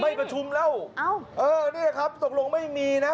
ประชุมแล้วเออนี่แหละครับตกลงไม่มีนะ